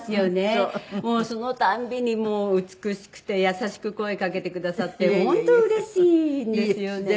もうそのたんびに美しくて優しく声かけてくださって本当うれしいんですよね。